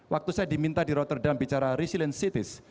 waktu saya diminta di rotterdam bicara resilient cities